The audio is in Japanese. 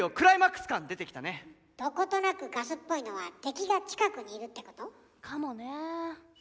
どことなくガスっぽいのは敵が近くにいるってこと？かもね。